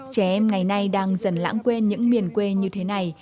trẻ em ngày nay đang dần lãng quên những miền quê như thế này